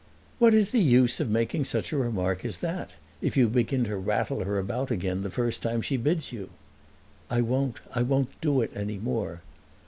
"What is the use of making such a remark as that if you begin to rattle her about again the first time she bids you?" "I won't I won't do it any more."